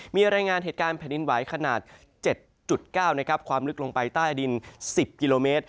มีรายงานเหตุการณ์แผ่นดินไหวขนาด๗๙ความลึกลงไปใต้ดิน๑๐กิโลเมตร